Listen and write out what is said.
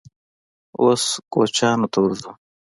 _اوس کوچيانو ته ورځم.